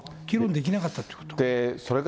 議論できなかったってこと。